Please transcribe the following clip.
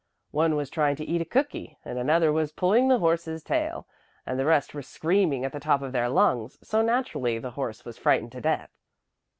One was trying to eat a cookie, and another was pulling the horse's tail, and the rest were screaming at the top of their lungs, so naturally the horse was frightened to death.